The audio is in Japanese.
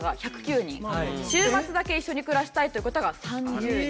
週末だけ一緒に暮らしたいという方が３０人。